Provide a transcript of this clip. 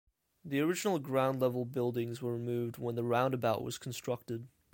The original ground-level buildings were removed when the roundabout was constructed.